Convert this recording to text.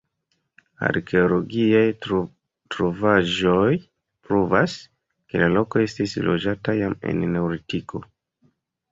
Arkeologiaj trovaĵoj pruvas, ke la loko estis loĝata jam en Neolitiko.